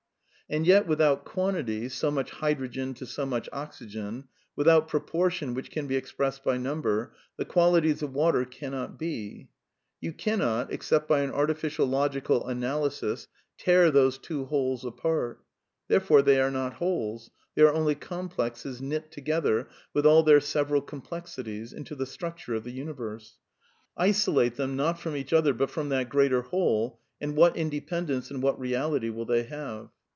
And yet, without quantity, so much hydrogen to so much oxygen, without proportion which can be expressed by number, the qualities of water cannot be. You cannot, \ except by an artificial logical analysis tear those two wholes \ apart. Therefore they are not wholes ; the y are only com plexes, knit togeth er, wit h all their se veral complexi tifig, Hiito the structure of the universe. Isolate them, not from each other, but from that greater Whole, and what inde pendence and what reality will they have?